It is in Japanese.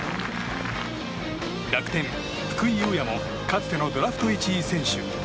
楽天、福井優也もかつてのドラフト１位選手。